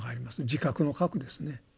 自覚の「覚」ですね。